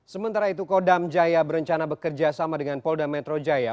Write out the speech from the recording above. sementara itu kodam jaya berencana bekerja sama dengan polda metro jaya